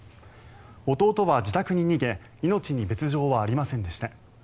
弟は自宅に逃げ命に別条はありませんでした。